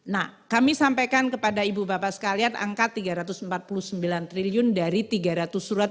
nah kami sampaikan kepada ibu bapak sekalian angka tiga ratus empat puluh sembilan triliun dari tiga ratus surat